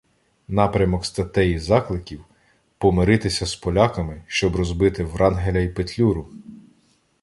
Напрямок статей і закликів — "помиритися з поляками, щоб розбити Врангеля й Петлюру"!.